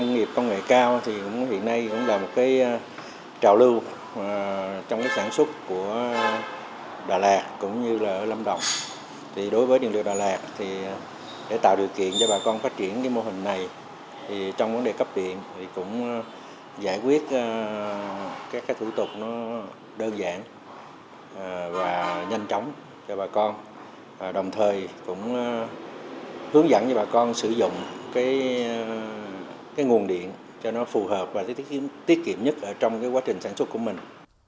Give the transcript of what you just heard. giải quyết các thủ tục đơn giản và nhanh chóng cho bà con đồng thời cũng hướng dẫn cho bà con sử dụng nguồn điện cho nó phù hợp và tiết kiệm nhất trong quá trình sản xuất của mình